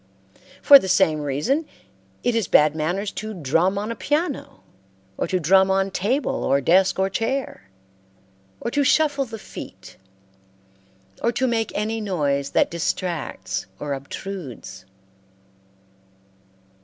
For the same reason it is bad manners to drum on a piano, or to drum on table or desk or chair, or to shuffle the feet, or to make any noise that distracts or obtrudes.